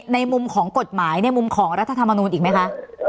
ในมุมของกฎหมายในมุมของรัฐธรรมนูลอีกไหมคะ